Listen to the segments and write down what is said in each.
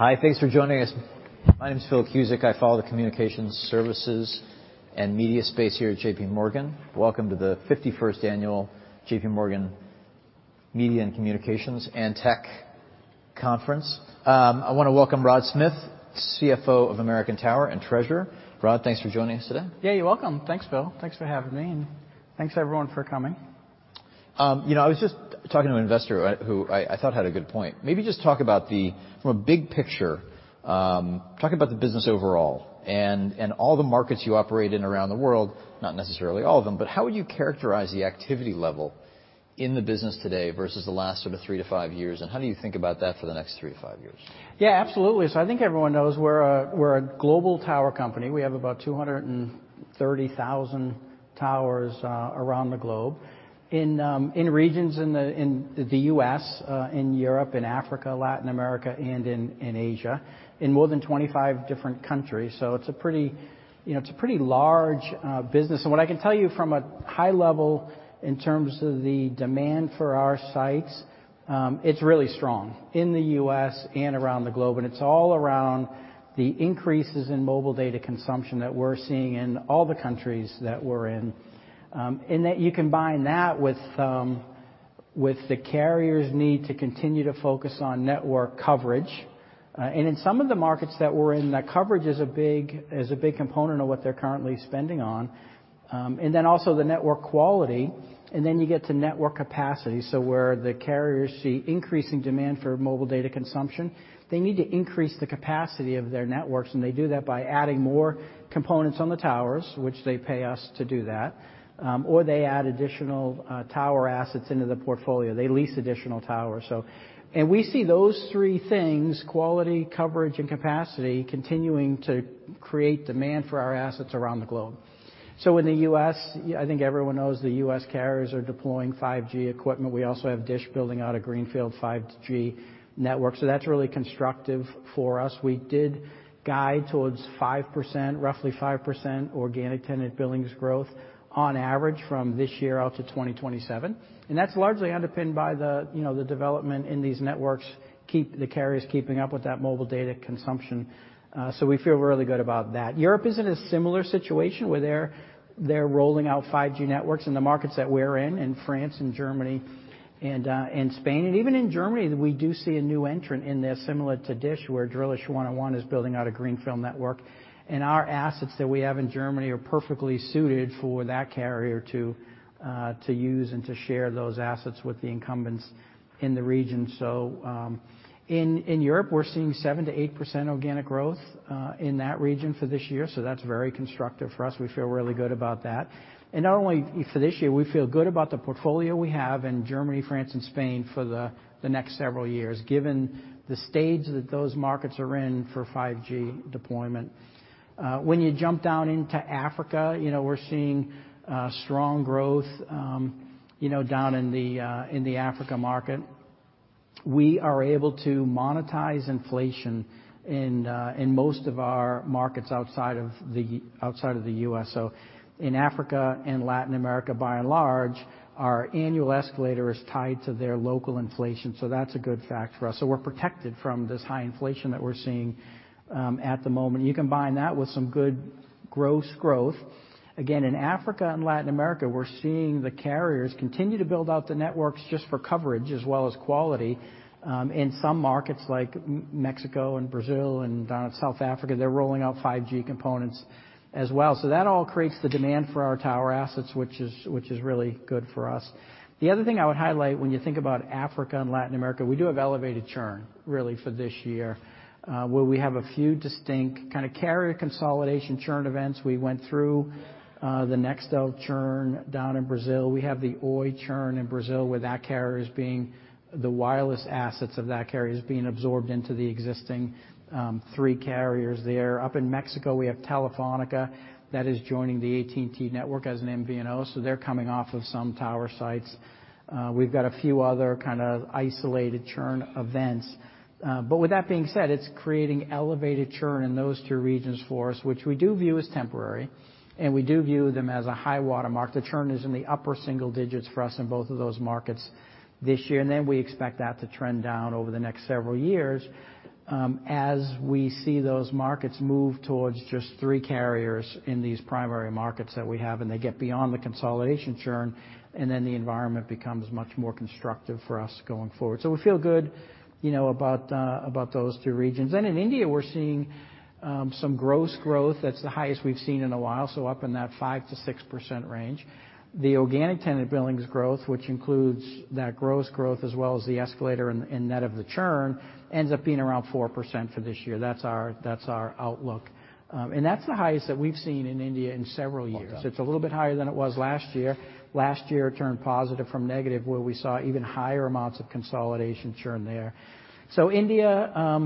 Hi. Thanks for joining us. My name is Phil Cusick. I follow the communication services and media space here at JPMorgan. Welcome to the 51st annual JPMorgan Media and Communications and Tech Conference. I wanna welcome Rod Smith, CFO of American Tower and Treasurer. Rod, thanks for joining us today. Yeah, you're welcome. Thanks, Phil. Thanks for having me, and thanks everyone for coming. You know, I was just talking to an investor who I thought had a good point. Maybe just From a big picture, talk about the business overall and all the markets you operate in around the world, not necessarily all of them, but how would you characterize the activity level in the business today versus the last sort of three to five years, and how do you think about that for the next three to five years? Yeah, absolutely. I think everyone knows we're a global tower company. We have about 230,000 towers around the globe in regions in the U.S., in Europe, in Africa, Latin America and in Asia, in more than 25 different countries. It's a pretty, you know, large business. What I can tell you from a high level in terms of the demand for our sites, it's really strong in the U.S. and around the globe, and it's all around the increases in mobile data consumption that we're seeing in all the countries that we're in. That you combine that with the carriers need to continue to focus on network coverage. In some of the markets that we're in, the coverage is a big component of what they're currently spending on, and then also the network quality, and then you get to network capacity. Where the carriers see increasing demand for mobile data consumption, they need to increase the capacity of their networks, and they do that by adding more components on the towers, which they pay us to do that, or they add additional tower assets into the portfolio. They lease additional towers. We see those three things, quality, coverage, and capacity, continuing to create demand for our assets around the globe. In the U.S., I think everyone knows the U.S. carriers are deploying 5G equipment. We also have DISH building out a greenfield 5G network, so that's really constructive for us. We did guide towards 5%, roughly 5% Organic Tenant Billings Growth on average from this year out to 2027, and that's largely underpinned by the, you know, the development in these networks, the carriers keeping up with that mobile data consumption. So we feel really good about that. Europe is in a similar situation where they're rolling out 5G networks in the markets that we're in France and Germany and in Spain. Even in Germany, we do see a new entrant in there similar to DISH, where 1&1 Drillisch is building out a greenfield network, and our assets that we have in Germany are perfectly suited for that carrier to use and to share those assets with the incumbents in the region. In Europe, we're seeing 7%-8% organic growth in that region for this year. That's very constructive for us. We feel really good about that. Not only for this year, we feel good about the portfolio we have in Germany, France and Spain for the next several years, given the stage that those markets are in for 5G deployment. When you jump down into Africa, you know, we're seeing strong growth, you know, down in the in the Africa market. We are able to monetize inflation in most of our markets outside of the outside of the U.S. In Africa and Latin America, by and large, our annual escalator is tied to their local inflation. That's a good fact for us. We're protected from this high inflation that we're seeing at the moment. You combine that with some good gross growth. Again, in Africa and Latin America, we're seeing the carriers continue to build out the networks just for coverage as well as quality. In some markets like Mexico and Brazil and down in South Africa, they're rolling out 5G components as well. That all creates the demand for our tower assets, which is really good for us. The other thing I would highlight when you think about Africa and Latin America, we do have elevated churn really for this year, where we have a few distinct kinda carrier consolidation churn events. We went through the Nextel churn down in Brazil. We have the Oi churn in Brazil, where the wireless assets of that carrier is being absorbed into the existing, three carriers there. Up in Mexico, we have Telefónica that is joining the AT&T network as an MVNO. They're coming off of some tower sites. We've got a few other kinda isolated churn events. With that being said, it's creating elevated churn in those two regions for us, which we do view as temporary, and we do view them as a high-water mark. The churn is in the upper single digits for us in both of those markets this year. We expect that to trend down over the next several years, as we see those markets move towards just three carriers in these primary markets that we have. They get beyond the consolidation churn. The environment becomes much more constructive for us going forward. We feel good, you know, about those two regions. In India, we're seeing some gross growth that's the highest we've seen in a while. Up in that 5%-6% range. The Organic Tenant Billings Growth, which includes that gross growth as well as the escalator and net of the churn, ends up being around 4% for this year. That's our outlook. That's the highest that we've seen in India in several years. It's a little bit higher than it was last year. Last year, it turned positive from negative, where we saw even higher amounts of consolidation churn there. India,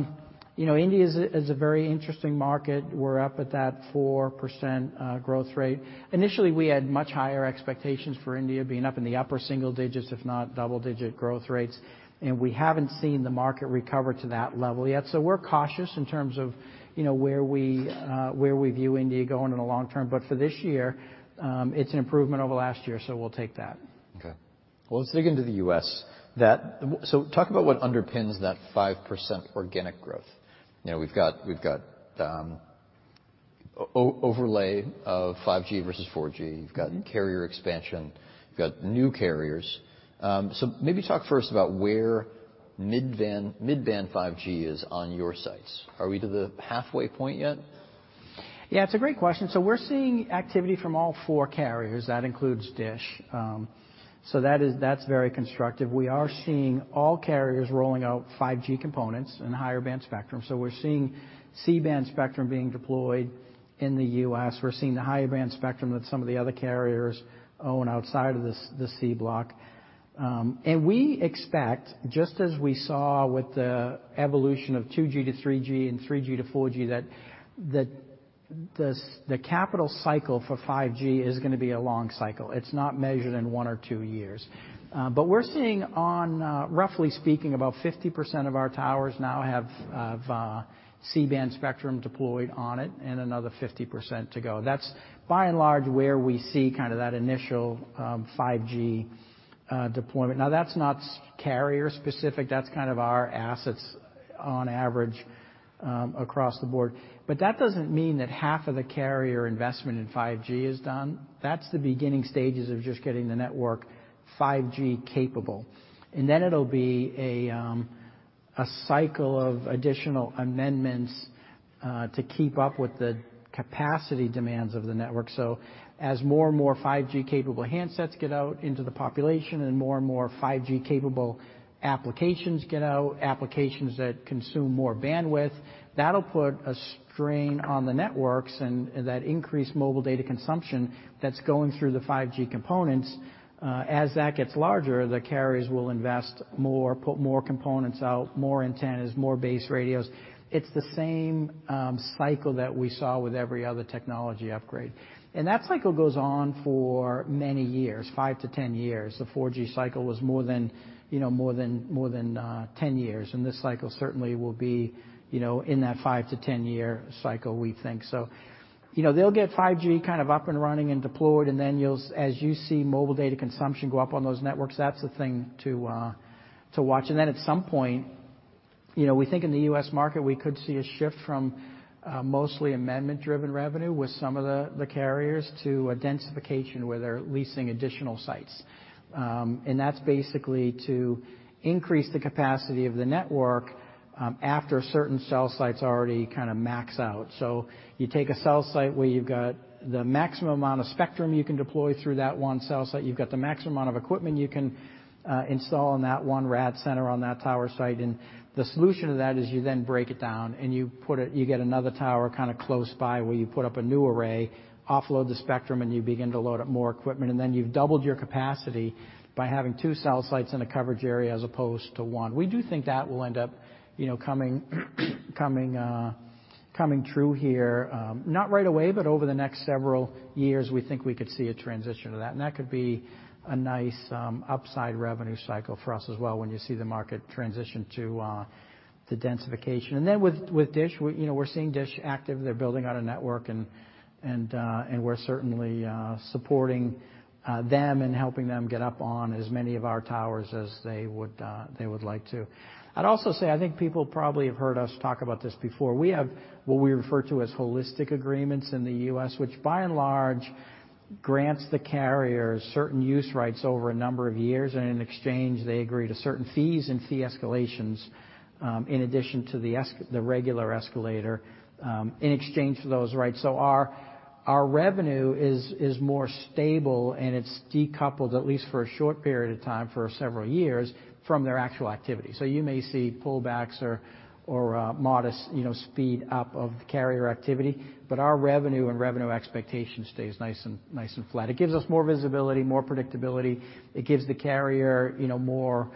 you know, India is a very interesting market. We're up at that 4% growth rate. Initially, we had much higher expectations for India being up in the upper single digits, if not double-digit growth rates, and we haven't seen the market recover to that level yet. We're cautious in terms of, you know, where we view India going in the long term. For this year, it's an improvement over last year, so we'll take that. Okay. Well, let's dig into the U.S. Talk about what underpins that 5% organic growth. You know, we've got, overlay of 5G versus 4G. You've got carrier expansion. You've got new carriers. Maybe talk first about where mid-band 5G is on your sites. Are we to the halfway point yet? Yeah, it's a great question. We're seeing activity from all four carriers. That includes DISH. That's very constructive. We are seeing all carriers rolling out 5G components in higher band spectrum. We're seeing C-band spectrum being deployed in the U.S. We're seeing the higher band spectrum that some of the other carriers own outside of the C Block. We expect, just as we saw with the evolution of 2G to 3G and 3G to 4G, that the capital cycle for 5G is gonna be a long cycle. It's not measured in one or two years. We're seeing on, roughly speaking, about 50% of our towers now have C-band spectrum deployed on it and another 50% to go. That's by and large where we see kind of that initial 5G deployment. Now, that's not carrier specific. That's kind of our assets on average, across the board, but that doesn't mean that half of the carrier investment in 5G is done. That's the beginning stages of just getting the network 5G capable. Then it'll be a cycle of additional amendments to keep up with the capacity demands of the network. As more and more 5G capable handsets get out into the population and more and more 5G capable applications get out, applications that consume more bandwidth, that'll put a strain on the networks and that increased mobile data consumption that's going through the 5G components. As that gets larger, the carriers will invest more, put more components out, more antennas, more base radios. It's the same cycle that we saw with every other technology upgrade. That cycle goes on for many years, 5-10 years. The 4G cycle was more than, you know, more than 10 years. This cycle certainly will be, you know, in that 5-10 year cycle, we think. You know, they'll get 5G kind of up and running and deployed, and then as you see mobile data consumption go up on those networks, that's the thing to watch. At some point, you know, we think in the U.S. market, we could see a shift from mostly amendment-driven revenue with some of the carriers to a densification where they're leasing additional sites. That's basically to increase the capacity of the network after certain cell sites already kinda max out. You take a cell site where you've got the maximum amount of spectrum you can deploy through that one cell site. You've got the maximum amount of equipment you can install on that one RAD center on that tower site. The solution to that is you then break it down, you get another tower kind of close by where you put up a new array, offload the spectrum, and you begin to load up more equipment. Then you've doubled your capacity by having two cell sites in a coverage area as opposed to one. We do think that will end up, you know, coming through here, not right away, but over the next several years, we think we could see a transition to that. That could be a nice upside revenue cycle for us as well, when you see the market transition to densification. Then with DISH, we, you know, we're seeing DISH active. They're building out a network, and we're certainly supporting them and helping them get up on as many of our towers as they would like to. I'd also say, I think people probably have heard us talk about this before. We have what we refer to as holistic agreements in the U.S., which by and large grants the carriers certain use rights over a number of years. In exchange, they agree to certain fees and fee escalations, in addition to the regular escalator, in exchange for those rights. Our revenue is more stable, and it's decoupled, at least for a short period of time, for several years, from their actual activity. You may see pullbacks or modest, you know, speed up of the carrier activity, but our revenue and revenue expectation stays nice and flat. It gives us more visibility, more predictability. It gives the carrier, you know, more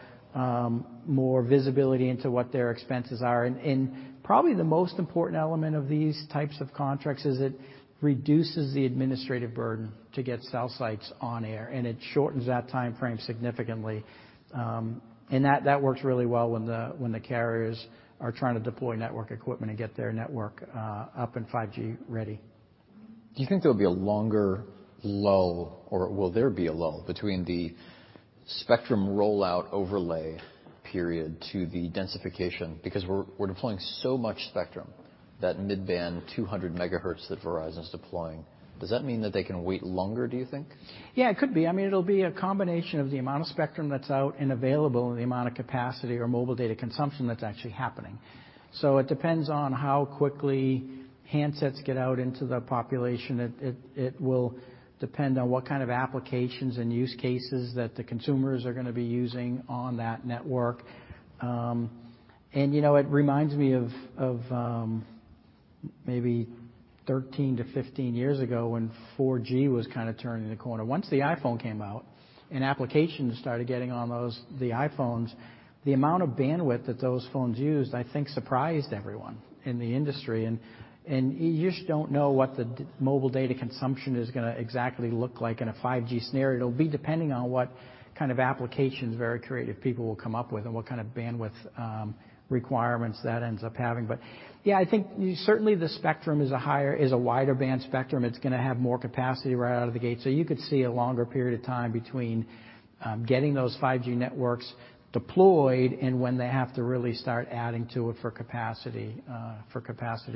visibility into what their expenses are. Probably the most important element of these types of contracts is it reduces the administrative burden to get cell sites on air, and it shortens that timeframe significantly. That works really well when the carriers are trying to deploy network equipment and get their network up and 5G ready. Do you think there'll be a longer lull, or will there be a lull between the spectrum rollout overlay period to the densification? We're deploying so much spectrum, that mid-band 200 megahertz that Verizon's deploying. Does that mean that they can wait longer, do you think? Yeah, it could be. I mean, it'll be a combination of the amount of spectrum that's out and available and the amount of capacity or mobile data consumption that's actually happening. It depends on how quickly handsets get out into the population. It will depend on what kind of applications and use cases that the consumers are gonna be using on that network. You know, it reminds me of 13 to 15 years ago when 4G was kinda turning the corner. Once the iPhone came out and applications started getting on those, the iPhones, the amount of bandwidth that those phones used, I think surprised everyone in the industry. You just don't know what the mobile data consumption is gonna exactly look like in a 5G scenario. It'll be depending on what kind of applications very creative people will come up with and what kind of bandwidth requirements that ends up having. I think certainly the spectrum is a wider band spectrum. It's gonna have more capacity right out of the gate. You could see a longer period of time between getting those 5G networks deployed and when they have to really start adding to it for capacity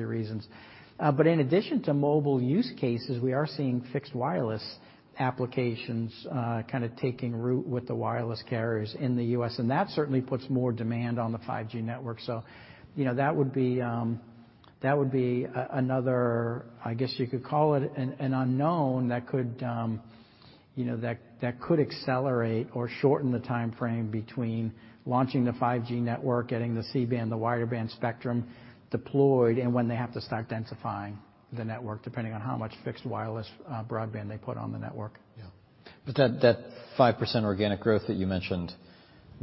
reasons. In addition to mobile use cases, we are seeing fixed wireless applications kinda taking root with the wireless carriers in the U.S., and that certainly puts more demand on the 5G network. You know, that would be another, I guess you could call it an unknown that could, you know, that could accelerate or shorten the timeframe between launching the 5G network, getting the C-band, the wider band spectrum deployed, and when they have to start densifying the network, depending on how much fixed wireless broadband they put on the network. Yeah. That 5% organic growth that you mentioned,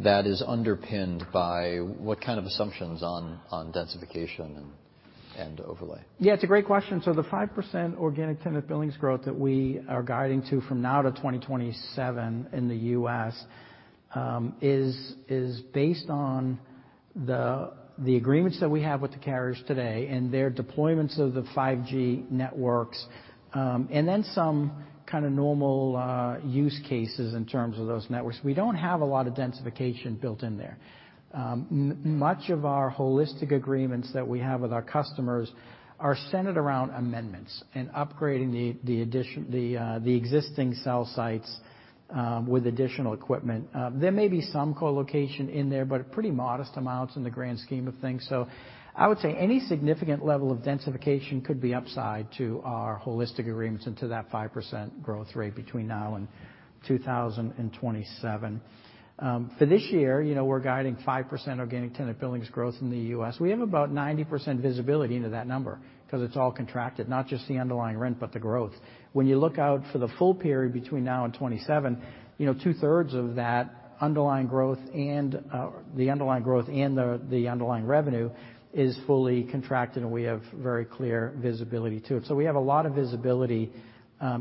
that is underpinned by what kind of assumptions on densification and overlay? Yeah, it's a great question. The 5% Organic Tenant Billings Growth that we are guiding to from now to 2027 in the U.S. is based on the agreements that we have with the carriers today and their deployments of the 5G networks, and then some kind of normal use cases in terms of those networks. We don't have a lot of densification built in there. Much of our holistic agreements that we have with our customers are centered around amendments and upgrading the existing cell sites with additional equipment. There may be some co-location in there, but pretty modest amounts in the grand scheme of things. I would say any significant level of densification could be upside to our holistic agreements and to that 5% growth rate between now and 2027. For this year, you know, we're guiding 5% Organic Tenant Billings Growth in the U.S. We have about 90% visibility into that number 'cause it's all contracted, not just the underlying rent, but the growth. When you look out for the full period between now and 27, you know, two-thirds of that underlying growth and the underlying revenue is fully contracted, and we have very clear visibility to it. We have a lot of visibility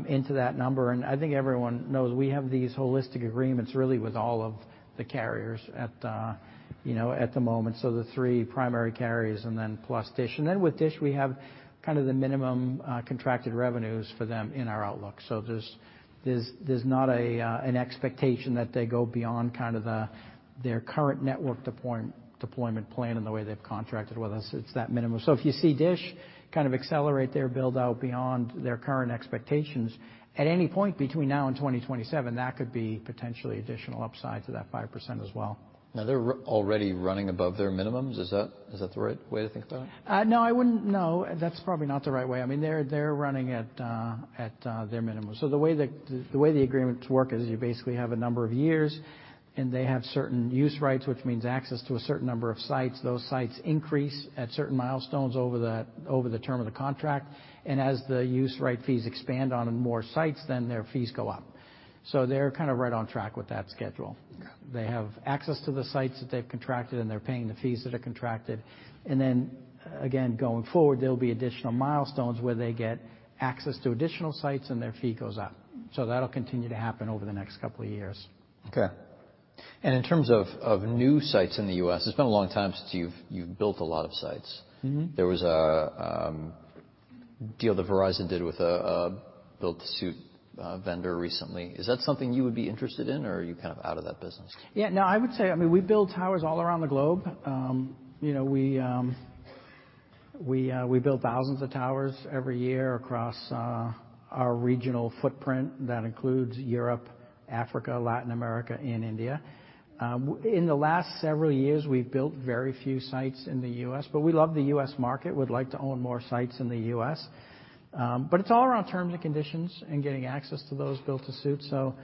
into that number, and I think everyone knows we have these holistic agreements, really with all of the carriers at the moment, the three primary carriers and then plus DISH. With DISH, we have kind of the minimum contracted revenues for them in our outlook. There's not an expectation that they go beyond kind of the, their current network deployment plan in the way they've contracted with us. It's that minimum. If you see DISH kind of accelerate their build-out beyond their current expectations at any point between now and 2027, that could be potentially additional upside to that 5% as well. Now they're already running above their minimums. Is that the right way to think about it? No, that's probably not the right way. I mean, they're running at their minimum. The way the agreements work is you basically have a number of years, and they have certain use rights, which means access to a certain number of sites. Those sites increase at certain milestones over the term of the contract, as the use right fees expand on more sites, their fees go up. They're kind of right on track with that schedule. Okay. They have access to the sites that they've contracted, and they're paying the fees that are contracted. Again, going forward, there'll be additional milestones where they get access to additional sites, and their fee goes up. That'll continue to happen over the next couple of years. Okay. In terms of new sites in the U.S., it's been a long time since you've built a lot of sites. Mm-hmm. There was a deal that Verizon did with a build-to-suit vendor recently. Is that something you would be interested in, or are you kind of out of that business? Yeah. No, I would say, I mean, we build towers all around the globe. you know, we build thousands of towers every year across our regional footprint. That includes Europe, Africa, Latin America, and India. in the last several years, we've built very few sites in the U.S., but we love the U.S. market. We'd like to own more sites in the U.S. It's all around terms and conditions and getting access to those build-to-suit. you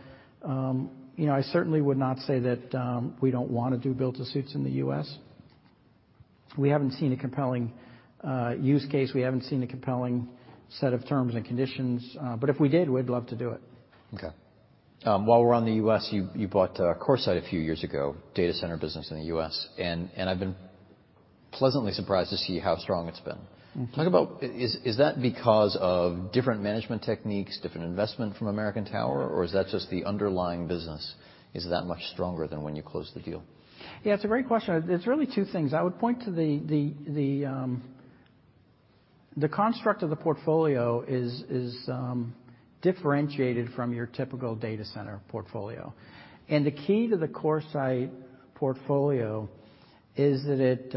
know, I certainly would not say that we don't wanna do build-to-suits in the U.S. We haven't seen a compelling use case. We haven't seen a compelling set of terms and conditions. If we did, we'd love to do it. Okay. While we're on the U.S., you bought CoreSite a few years ago, data center business in the U.S., and I've been pleasantly surprised to see how strong it's been. Mm-hmm. Is that because of different management techniques, different investment from American Tower, or is that just the underlying business is that much stronger than when you closed the deal? Yeah, it's a great question. It's really two things. I would point to the construct of the portfolio is differentiated from your typical data center portfolio. The key to the CoreSite portfolio is that it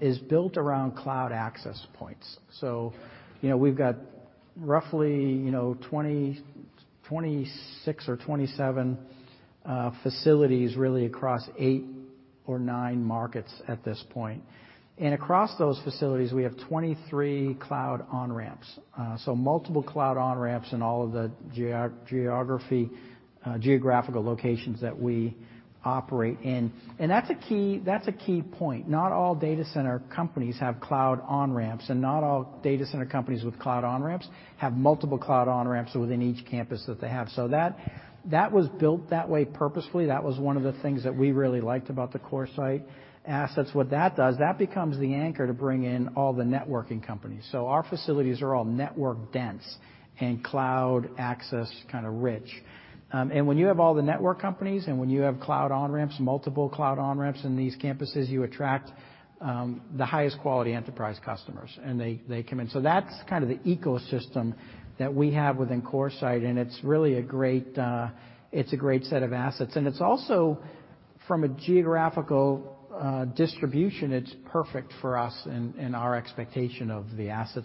is built around cloud access points. You know, we've got roughly, you know, 26 or 27 facilities really across eight or nine markets at this point. Across those facilities, we have 23 cloud on-ramps. Multiple cloud on-ramps in all of the geographical locations that we operate in. That's a key point. Not all data center companies have cloud on-ramps, and not all data center companies with cloud on-ramps have multiple cloud on-ramps within each campus that they have. That was built that way purposefully. That was one of the things that we really liked about the CoreSite assets. What that does, that becomes the anchor to bring in all the networking companies. Our facilities are all network dense and cloud access kind of rich. When you have all the network companies and when you have cloud on-ramps, multiple cloud on-ramps in these campuses, you attract the highest quality enterprise customers, and they come in. That's kind of the ecosystem that we have within CoreSite, and it's really a great, it's a great set of assets. It's also, from a geographical, distribution, it's perfect for us and our expectation of the asset.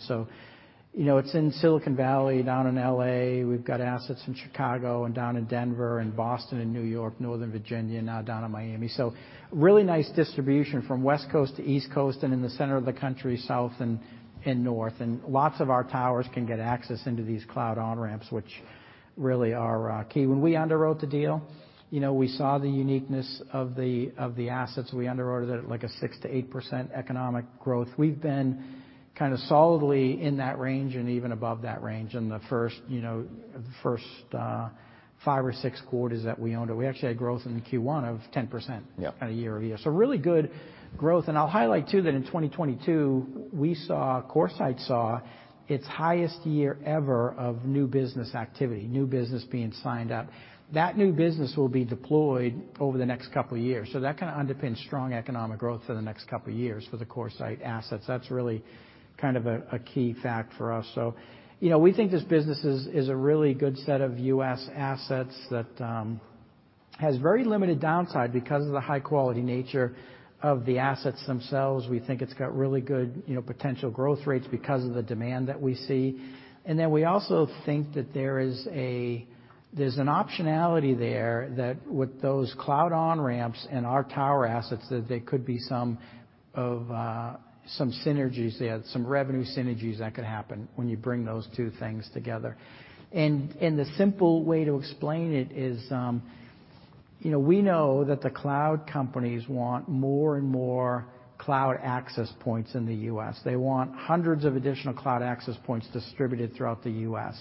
You know, it's in Silicon Valley, down in L.A., we've got assets in Chicago and down in Denver and Boston and New York, Northern Virginia, now down in Miami. Really nice distribution from West Coast to East Coast and in the center of the country, south and north. Lots of our towers can get access into these cloud on-ramps, which really are key. When we underwrote the deal, you know, we saw the uniqueness of the assets. We underwrote it at like a 6%-8% economic growth. We've been kind of solidly in that range and even above that range in the first, you know, the first five or six quarters that we owned it. We actually had growth in the Q1 of 10%. Yeah kind of year-over-year. Really good growth. I'll highlight too that in 2022, CoreSite saw its highest year ever of new business activity, new business being signed up. That new business will be deployed over the next couple of years. That kind of underpins strong economic growth for the next couple of years for the CoreSite assets. That's really kind of a key fact for us. You know, we think this business is a really good set of U.S. assets that has very limited downside because of the high-quality nature of the assets themselves. We think it's got really good, you know, potential growth rates because of the demand that we see. we also think that there's an optionality there that with those cloud on-ramps and our tower assets, that there could be some synergies there, some revenue synergies that could happen when you bring those two things together. The simple way to explain it is, you know, we know that the cloud companies want more and more cloud access points in the U.S. They want hundreds of additional cloud access points distributed throughout the U.S.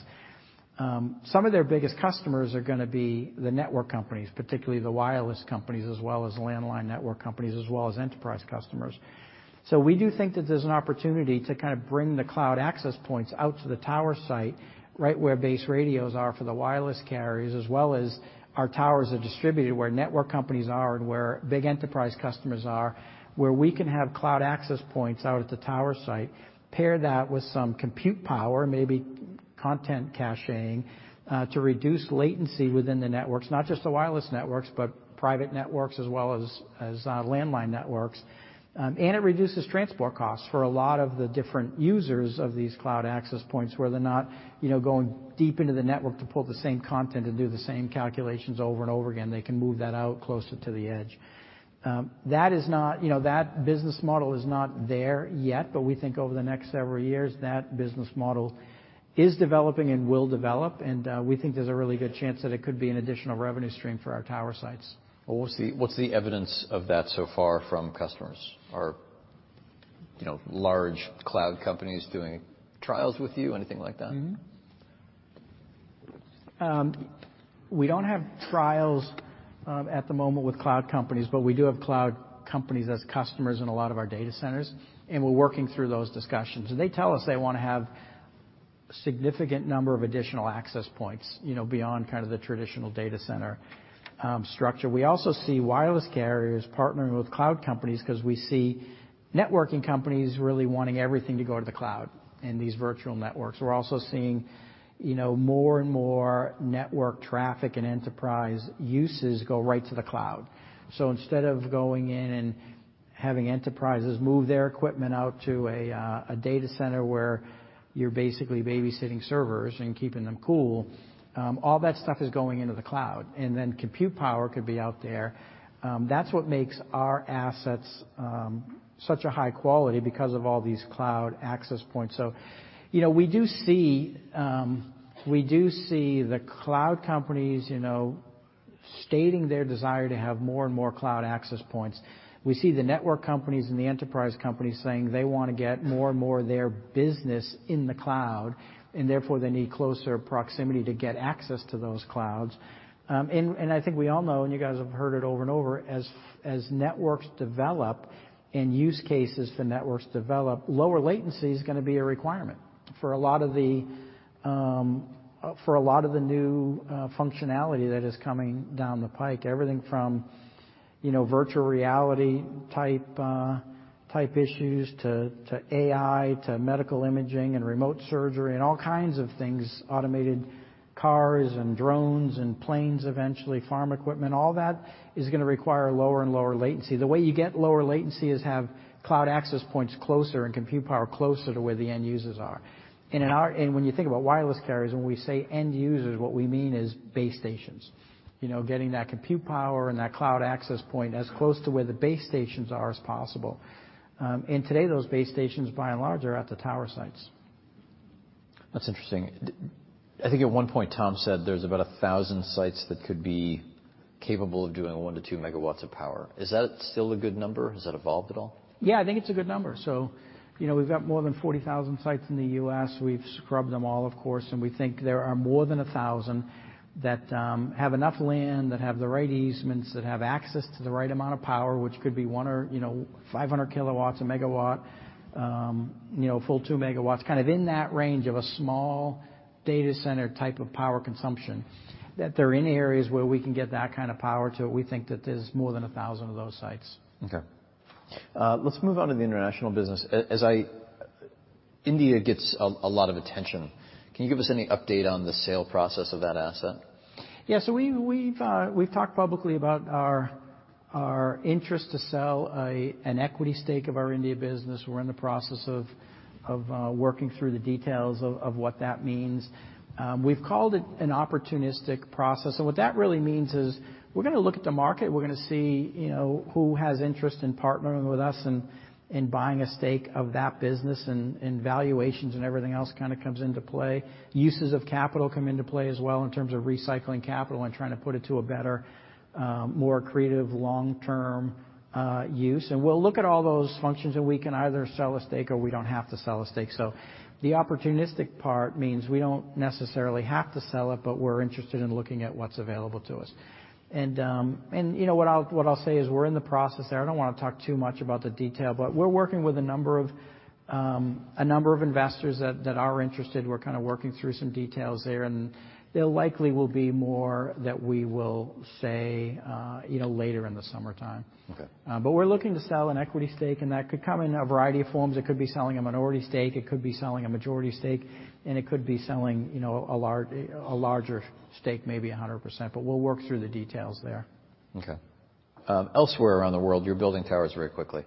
Some of their biggest customers are gonna be the network companies, particularly the wireless companies, as well as landline network companies, as well as enterprise customers. We do think that there's an opportunity to kind of bring the cloud access points out to the tower site, right where base radios are for the wireless carriers, as well as our towers are distributed where network companies are and where big enterprise customers are, where we can have cloud access points out at the tower site, pair that with some compute power, maybe content caching, to reduce latency within the networks, not just the wireless networks, but private networks as well as landline networks. It reduces transport costs for a lot of the different users of these cloud access points where they're not, you know, going deep into the network to pull the same content and do the same calculations over and over again. They can move that out closer to the edge. That is not, you know, that business model is not there yet, but we think over the next several years, that business model is developing and will develop. We think there's a really good chance that it could be an additional revenue stream for our tower sites. What's the, what's the evidence of that so far from customers? Are, you know, large cloud companies doing trials with you, anything like that? We don't have trials at the moment with cloud companies, but we do have cloud companies as customers in a lot of our data centers, and we're working through those discussions. They tell us they wanna have significant number of additional access points, you know, beyond kind of the traditional data center structure. We also see wireless carriers partnering with cloud companies because we see networking companies really wanting everything to go to the cloud in these virtual networks. We're also seeing, you know, more and more network traffic and enterprise uses go right to the cloud. Instead of going in and having enterprises move their equipment out to a data center where you're basically babysitting servers and keeping them cool, all that stuff is going into the cloud. Then compute power could be out there. That's what makes our assets such a high quality because of all these cloud access points. You know, we do see the cloud companies, you know, stating their desire to have more and more cloud access points. We see the network companies and the enterprise companies saying they wanna get more and more of their business in the cloud, and therefore, they need closer proximity to get access to those clouds. I think we all know, and you guys have heard it over and over, as networks develop and use cases for networks develop, lower latency is gonna be a requirement for a lot of the new functionality that is coming down the pike. Everything from, you know, virtual reality type issues to AI, to medical imaging and remote surgery, and all kinds of things, automated cars and drones and planes eventually, farm equipment, all that is gonna require lower and lower latency. The way you get lower latency is have cloud access points closer and compute power closer to where the end users are. When you think about wireless carriers, when we say end users, what we mean is base stations. You know, getting that compute power and that cloud access point as close to where the base stations are as possible. Today, those base stations, by and large, are at the tower sites. That's interesting. I think at one point, Tom said there's about 1,000 sites that could be capable of doing 1-2 MW of power. Is that still a good number? Has that evolved at all? Yeah, I think it's a good number. You know, we've got more than 40,000 sites in the U.S. We've scrubbed them all, of course, and we think there are more than 1,000 that have enough land, that have the right easements, that have access to the right amount of power, which could be one or, you know, 500 kW, 1 MW, you know, a full 2 MW, kind of in that range of a small data center type of power consumption, that they're in areas where we can get that kind of power to. We think that there's more than 1,000 of those sites. Okay. Let's move on to the international business. India gets a lot of attention. Can you give us any update on the sale process of that asset? We've talked publicly about our interest to sell an equity stake of our India business. We're in the process of working through the details of what that means. We've called it an opportunistic process. What that really means is we're gonna look at the market, we're gonna see, you know, who has interest in partnering with us and buying a stake of that business and valuations and everything else kinda comes into play. Uses of capital come into play as well in terms of recycling capital and trying to put it to a better, more creative long-term use. We'll look at all those functions, and we can either sell a stake or we don't have to sell a stake. The opportunistic part means we don't necessarily have to sell it, but we're interested in looking at what's available to us. You know what I'll say is we're in the process there. I don't wanna talk too much about the detail, but we're working with a number of investors that are interested. We're kinda working through some details there, and there likely will be more that we will say, you know, later in the summertime. Okay. We're looking to sell an equity stake, and that could come in a variety of forms. It could be selling a minority stake. It could be selling a majority stake, and it could be selling, you know, a larger stake, maybe 100%. We'll work through the details there. Okay. Elsewhere around the world, you're building towers very quickly,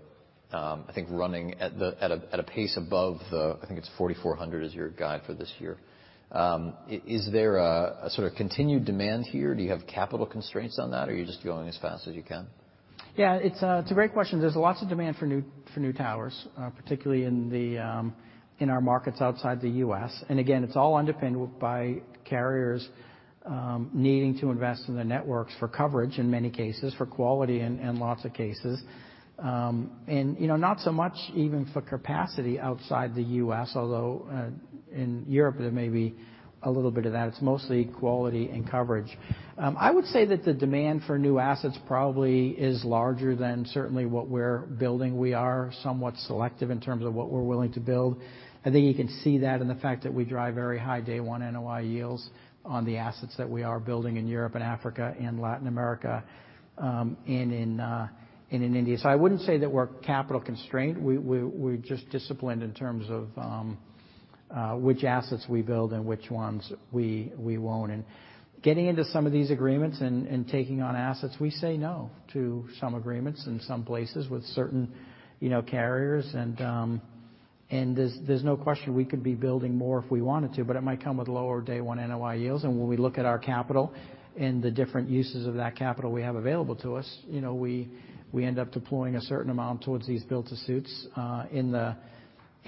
I think running at a pace above the, I think it's 4,400 is your guide for this year. Is there a sort of continued demand here? Do you have capital constraints on that, or are you just going as fast as you can? Yeah, it's a great question. There's lots of demand for new, for new towers, particularly in the in our markets outside the U.S. And again, it's all underpinned by carriers, needing to invest in the networks for coverage in many cases, for quality in lots of cases, and you know, not so much even for capacity outside the U.S. although in Europe there may be a little bit of that. It's mostly quality and coverage. I would say that the demand for new assets probably is larger than certainly what we're building. We are somewhat selective in terms of what we're willing to build. I think you can see that in the fact that we drive very high day one NOI Yield on the assets that we are building in Europe and Africa and Latin America, and in India. I wouldn't say that we're capital constrained. We're just disciplined in terms of which assets we build and which ones we won't. Getting into some of these agreements and taking on assets, we say no to some agreements in some places with certain, you know, carriers. There's no question we could be building more if we wanted to, but it might come with lower day one NOI Yield. When we look at our capital and the different uses of that capital we have available to us, you know, we end up deploying a certain amount towards these build-to-suits,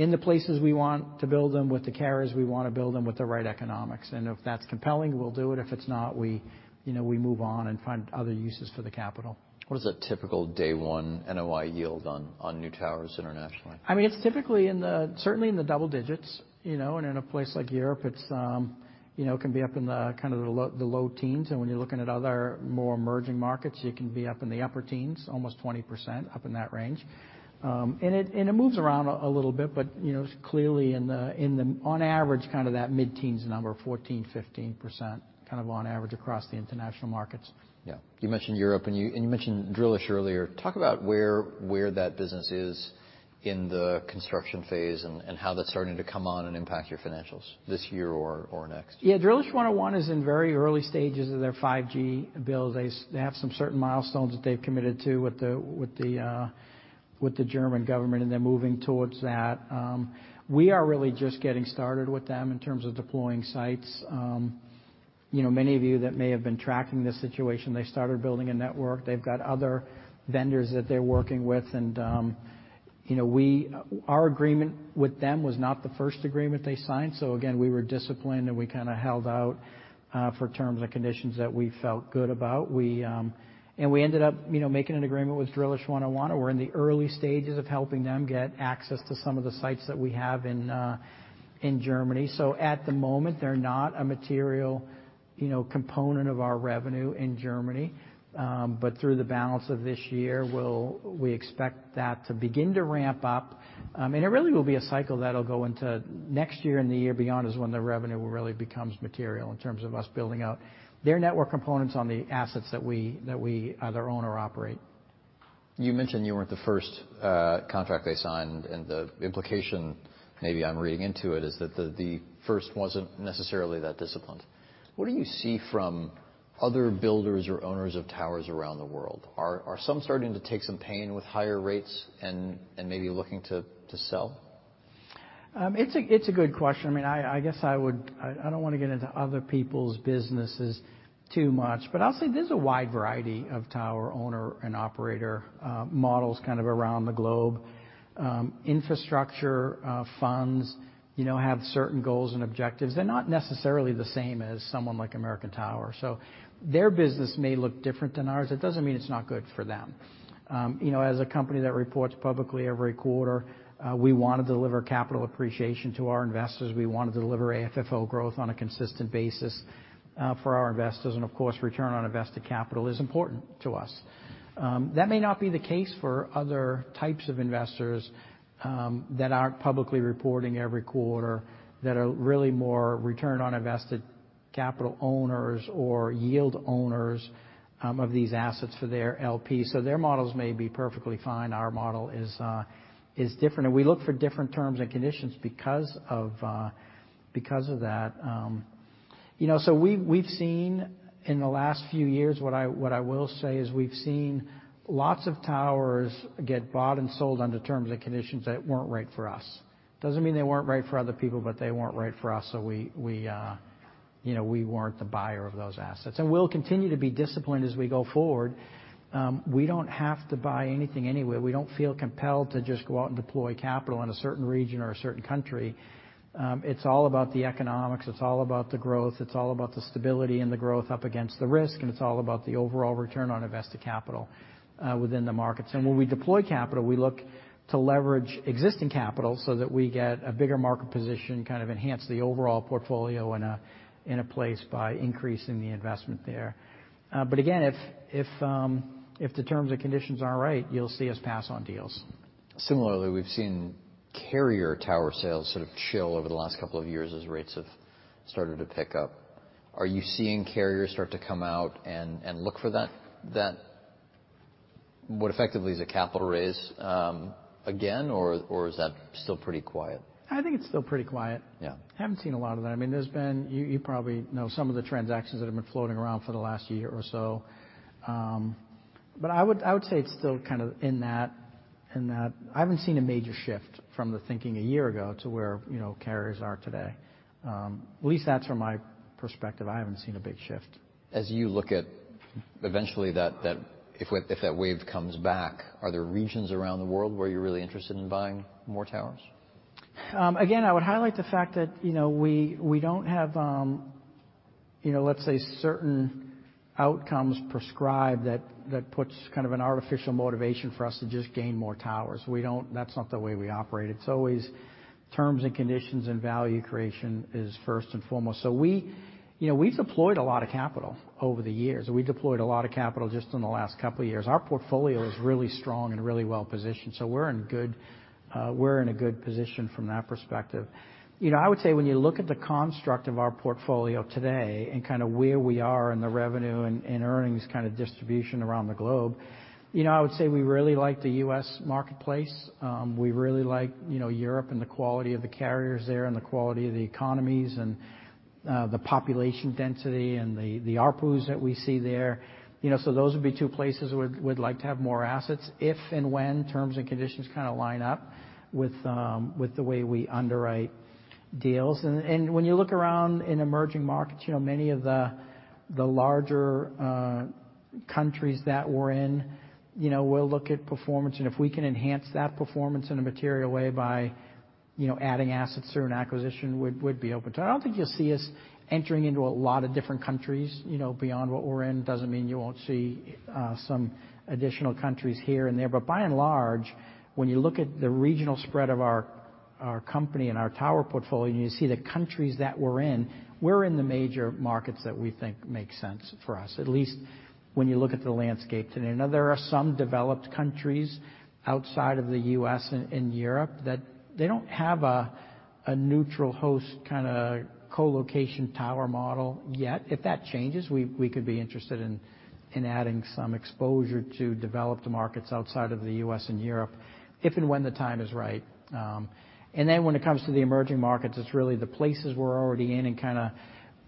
in the places we want to build them, with the carriers we wanna build them, with the right economics. If that's compelling, we'll do it. If it's not, we, you know, we move on and find other uses for the capital. What is a typical day one NOI Yield on new towers internationally? I mean, it's typically in the, certainly in the double digits, you know. In a place like Europe, it's, you know, can be up in the, kinda the low, the low teens. When you're looking at other more emerging markets, it can be up in the upper teens, almost 20%, up in that range. It moves around a little bit, but, you know, it's clearly in the, on average, kinda that mid-teens number, 14%, 15%, kind of on average across the international markets. Yeah. You mentioned Europe, and you mentioned Drillisch earlier. Talk about where that business is in the construction phase and how that's starting to come on and impact your financials this year or next. Yeah. 1&1 Drillisch is in very early stages of their 5G build. They have some certain milestones that they've committed to with the German government, and they're moving towards that. We are really just getting started with them in terms of deploying sites. You know, many of you that may have been tracking this situation, they started building a network. They've got other vendors that they're working with. You know, we, our agreement with them was not the first agreement they signed. Again, we were disciplined, and we kinda held out for terms and conditions that we felt good about. We ended up making an agreement with 1&1 Drillisch, and we're in the early stages of helping them get access to some of the sites that we have in Germany. At the moment, they're not a material, you know, component of our revenue in Germany. But through the balance of this year, we expect that to begin to ramp up. And it really will be a cycle that'll go into next year and the year beyond is when the revenue really becomes material in terms of us building out their network components on the assets that we, that we either own or operate. You mentioned you weren't the first contract they signed, and the implication, maybe I'm reading into it, is that the first wasn't necessarily that disciplined. What do you see from other builders or owners of towers around the world? Are some starting to take some pain with higher rates and maybe looking to sell? It's a good question. I mean, I guess I would. I don't wanna get into other people's businesses too much, but I'll say there's a wide variety of tower owner and operator models kind of around the globe. Infrastructure funds, you know, have certain goals and objectives. They're not necessarily the same as someone like American Tower. Their business may look different than ours. It doesn't mean it's not good for them. You know, as a company that reports publicly every quarter, we wanna deliver capital appreciation to our investors. We wanna deliver AFFO growth on a consistent basis for our investors. Of course, return on invested capital is important to us. That may not be the case for other types of investors that aren't publicly reporting every quarter, that are really more return on invested capital owners or yield owners of these assets for their LPs. Their models may be perfectly fine. Our model is different, and we look for different terms and conditions because of that. You know, we've seen in the last few years, what I will say is we've seen lots of towers get bought and sold under terms and conditions that weren't right for us. Doesn't mean they weren't right for other people, but they weren't right for us, so we, you know, we weren't the buyer of those assets. We'll continue to be disciplined as we go forward. We don't have to buy anything anywhere. We don't feel compelled to just go out and deploy capital in a certain region or a certain country. It's all about the economics, it's all about the growth, it's all about the stability and the growth up against the risk, and it's all about the overall return on invested capital, within the markets. When we deploy capital, we look to leverage existing capital so that we get a bigger market position, kind of enhance the overall portfolio in a place by increasing the investment there. Again, if the terms and conditions aren't right, you'll see us pass on deals. Similarly, we've seen carrier tower sales sort of chill over the last couple of years as rates have started to pick up. Are you seeing carriers start to come out and look for that what effectively is a capital raise again, or is that still pretty quiet? I think it's still pretty quiet. Yeah. Haven't seen a lot of that. I mean, there's been. You probably know some of the transactions that have been floating around for the last year or so. I would say it's still kind of in that. I haven't seen a major shift from the thinking a year ago to where, you know, carriers are today. At least that's from my perspective. I haven't seen a big shift. As you look at eventually that if that wave comes back, are there regions around the world where you're really interested in buying more towers? Again, I would highlight the fact that, you know, we don't have, you know, let's say certain outcomes prescribed that puts kind of an artificial motivation for us to just gain more towers. We don't. That's not the way we operate. It's always terms and conditions and value creation is first and foremost. We, you know, we've deployed a lot of capital over the years. We deployed a lot of capital just in the last couple of years. Our portfolio is really strong and really well-positioned, so we're in good, we're in a good position from that perspective. You know, I would say when you look at the construct of our portfolio today and kind of where we are in the revenue and earnings kind of distribution around the globe, you know, I would say we really like the U.S. marketplace. We really like, you know, Europe and the quality of the carriers there and the quality of the economies and the population density and the ARPUs that we see there. You know, those would be two places where we'd like to have more assets, if and when terms and conditions kinda line up with the way we underwrite deals. When you look around in emerging markets, you know, many of the larger countries that we're in, you know, we'll look at performance and if we can enhance that performance in a material way by, you know, adding assets through an acquisition, we'd be open to that. I don't think you'll see us entering into a lot of different countries, you know, beyond what we're in. Doesn't mean you won't see some additional countries here and there. By and large, when you look at the regional spread of our company and our tower portfolio, and you see the countries that we're in, we're in the major markets that we think make sense for us, at least when you look at the landscape today. There are some developed countries outside of the U.S. and in Europe that they don't have a neutral host kinda co-location tower model yet. If that changes, we could be interested in adding some exposure to developed markets outside of the U.S. and Europe, if and when the time is right. When it comes to the emerging markets, it's really the places we're already in and kinda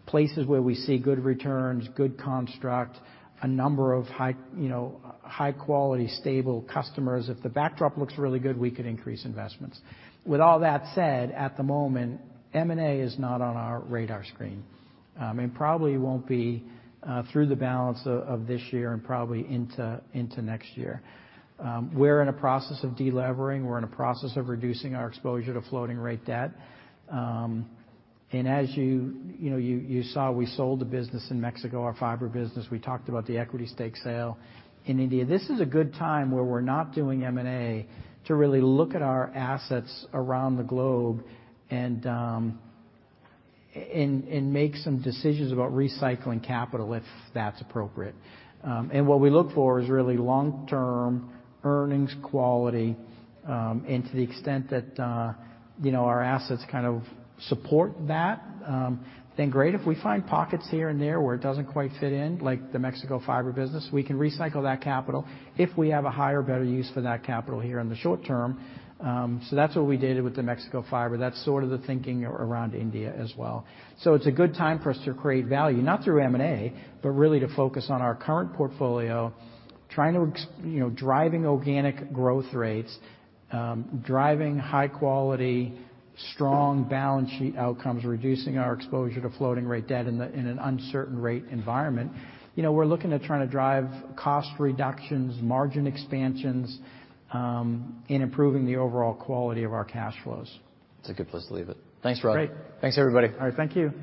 places where we see good returns, good construct, a number of high, you know, high-quality, stable customers. If the backdrop looks really good, we could increase investments. With all that said, at the moment, M&A is not on our radar screen, and probably won't be through the balance of this year and probably into next year. We're in a process of de-levering. We're in a process of reducing our exposure to floating rate debt. As you know, you saw, we sold the business in Mexico, our fiber business. We talked about the equity stake sale in India. This is a good time, where we're not doing M&A, to really look at our assets around the globe and make some decisions about recycling capital if that's appropriate. What we look for is really long-term earnings quality. To the extent that, you know, our assets kind of support that, then great. If we find pockets here and there where it doesn't quite fit in, like the Mexico fiber business, we can recycle that capital if we have a higher, better use for that capital here in the short term. That's what we did with the Mexico fiber. That's sort of the thinking around India as well. It's a good time for us to create value, not through M&A, but really to focus on our current portfolio, trying to, you know, driving organic growth rates, driving high quality, strong balance sheet outcomes, reducing our exposure to floating rate debt in an uncertain rate environment. You know, we're looking at trying to drive cost reductions, margin expansions, and improving the overall quality of our cash flows. That's a good place to leave it. Thanks, Rod. Great. Thanks, everybody. All right, thank you.